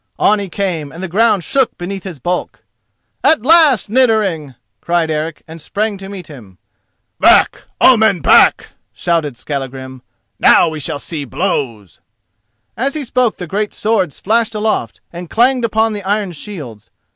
On he came, and the ground shook beneath his bulk. "At last, Niddering!" cried Eric, and sprang to meet him. "Back! all men, back!" shouted Skallagrim, "now we shall see blows." As he spoke the great swords flashed aloft and clanged upon the iron shields.